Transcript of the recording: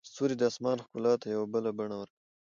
ستوري د اسمان ښکلا ته یو بله بڼه ورکوي.